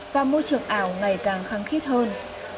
và môi trường ảo ngày càng kháng khít hơn